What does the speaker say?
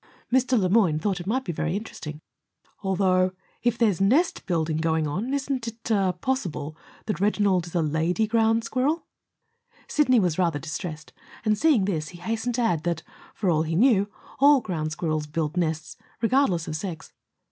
Mr. Le Moyne thought it might be very interesting. "Although, if there's nest building going on, isn't it er possible that Reginald is a lady ground squirrel?" Sidney was rather distressed, and, seeing this, he hastened to add that, for all he knew, all ground squirrels built nests, regardless of sex.